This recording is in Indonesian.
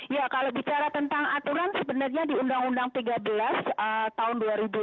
ya kalau bicara tentang aturan sebenarnya di undang undang tiga belas tahun dua ribu dua